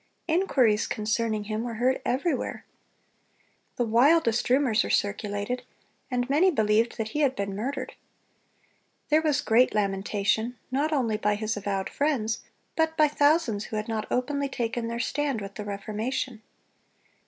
Inquiries concerning him were heard everywhere. The wildest rumors were circulated, and many believed that he had been murdered. There was great lamentation, not only by his avowed friends, but by thousands who had not openly taken their stand with the Reformation.